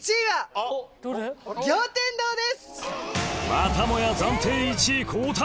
またもや暫定１位交代！